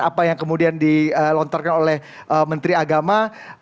apa yang kemudian dilontarkan oleh menteri agama